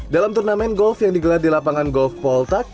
dalam turnamen golf yang digelar di lapangan golf poltuck